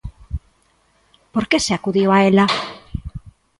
Por que se acudiu a ela?